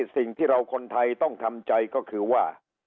สิ่งที่เราคนไทยต้องทำใจก็คือว่า